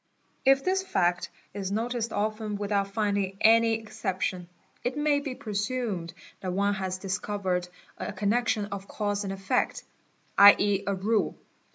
If this fact is noticed often without finding any exception, it may be presumed that one has discovered a connection of cause and effect, 7.e., a rule.